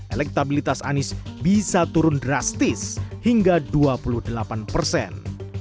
elektabilitas anies bisa turun drastis hingga dua puluh delapan persen